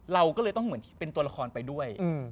เราก็เลยต้องเหมือนที่เป็นตัวละครไปด้วย